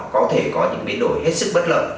có thể có những biến đổi hết sức bất lợi